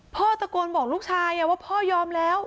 พ่อตะโกนบอกลูกชายว่าพ่อยอมแล้ว